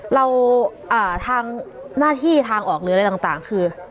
เราหน้าที่ทางออกเลยอะไรต่างคือ